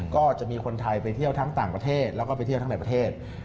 ก็จะมีคนไทยไปเที่ยวทั้งต่างประเทศแล้วก็ไปเที่ยวทั้งในประเทศ